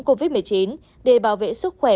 covid một mươi chín để bảo vệ sức khỏe